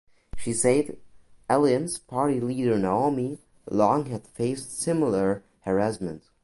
She said Alliance party leader Naomi Long had faced similar harassment.